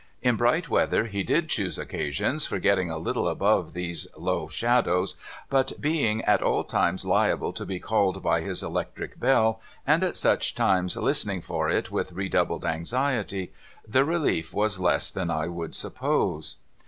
In bright weather, he did choose occasions for getting a little above these lower shadows ; but, being at all times liable to be called by his electric bell, and at such times listening for it with redoubled anxiety, the relief was less than I would suppose.